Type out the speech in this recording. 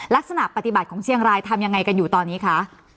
ลักษณะปฏิบัติของเชียงรายทำยังไงกันอยู่ตอนนี้คะ